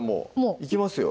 いきますよ？